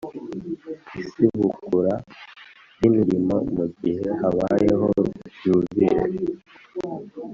isubukura ry imirimo mu gihe habayeho yubire